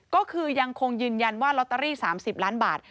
ก็คือยังคงยืนยันว่าลอตเตอรี่๓๐ล้านบาท